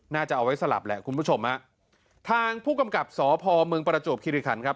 น่าจะเอาไว้สลับแหละคุณผู้ชมฮะทางผู้กำกับสพเมืองประจวบคิริคันครับ